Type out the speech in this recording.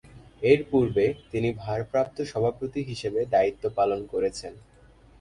এর পূর্বে তিনি ভারপ্রাপ্ত সভাপতি হিসেবে দায়িত্ব পালন করেছেন।